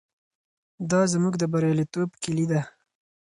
دا زموږ د بریالیتوب کیلي ده.